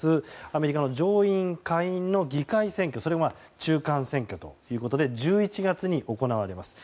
アメリカの上院・下院の議会選挙それが中間選挙ということで１１月に行われます。